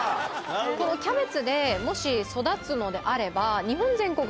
このキャベツでもし育つのであれば日本全国